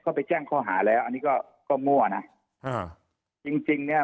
ก็ไปแจ้งเขาหาแล้วอันนี้ก็มั่วนะจริงเนี่ย